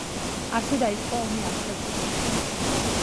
ასე დაიწყო ომი აფხაზეთში.